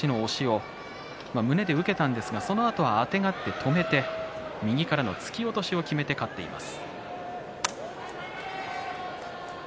春場所の対戦は正代が玉鷲の押しを胸で受けたんですがそのあと、あてがって止めて右からの突き落としをきめて勝っています。